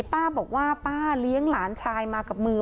ป้าบอกว่าป้าเลี้ยงหลานชายมากับมือ